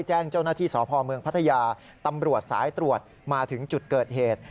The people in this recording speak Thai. แจ้งเจ้าหน้าที่สพเมืองพัทยาตำรวจสายตรวจมาถึงจุดเกิดเหตุ